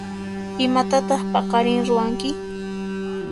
Imatataq paqarinri ruwanki?